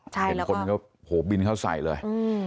เห็นคนก็บินเข้าใส่เลย